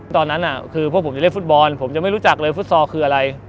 ตอนนั้นคือพวกผมจะเล่นฟุตบอลผมจะไม่รู้จักเลยฟุตซอลคืออะไร